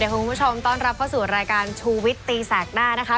คุณผู้ชมต้อนรับเข้าสู่รายการชูวิตตีแสกหน้านะคะ